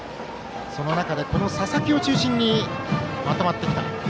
その中で、この佐々木を中心にまとまってきた。